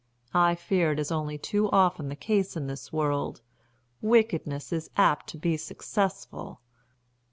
I fear it is only too often the case in this world wickedness is apt to be successful."